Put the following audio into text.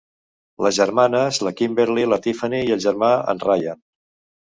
Les germanes, la Kimberly i la Tiffany, i el germà, en Ryan.